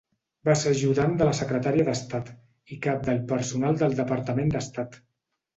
Va ser ajudant de la Secretària d'Estat, i Cap de Personal del Departament d'Estat.